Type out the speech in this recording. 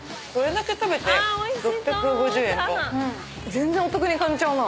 全然お得に感じちゃうな。